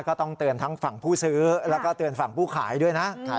ก็ต้องเตือนทั้งฝั่งผู้ซื้อแล้วก็เตือนฝั่งผู้ขายด้วยนะ